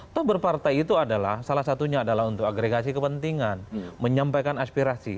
atau berpartai itu adalah salah satunya adalah untuk agregasi kepentingan menyampaikan aspirasi